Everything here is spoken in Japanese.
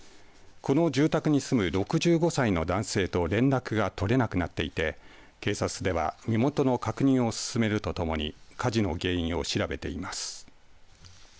この住宅に住む６５歳の男性と連絡が取れなくなっていて警察では身元の確認を進めるともに火事の原因を調べています。